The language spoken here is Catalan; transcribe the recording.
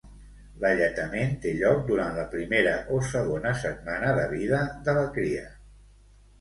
L'alletament té lloc durant la primera o segona setmana de vida de la cria.